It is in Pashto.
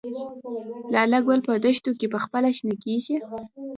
لاله ګل په دښتو کې پخپله شنه کیږي؟